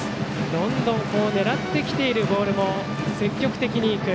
どんどん狙ってきているボールも積極的に行く。